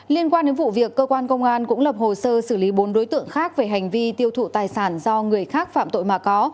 liên quan đến vụ việc cơ quan công an cũng lập hồ sơ xử lý bốn đối tượng khác về hành vi tiêu thụ tài sản do người khác phạm tội mà có